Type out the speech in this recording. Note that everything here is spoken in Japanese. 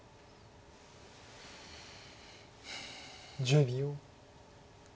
１０秒。